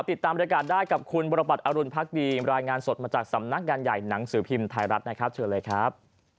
ติดตามบริการได้กับคุณบรบัตรอรุณพักดีรายงานสดมาจากสำนักงานใหญ่หนังสือพิมพ์ไทยรัฐนะครับเชิญเลยครับ